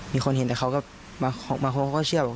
มีคนเห็นแต่เขาก็บางคนเขาก็เชื่อว่า